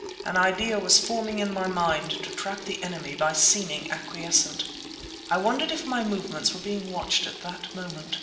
An idea was forming in my mind to trap the enemy by seeming acquiescent. I wondered if my movements were being watched at that moment.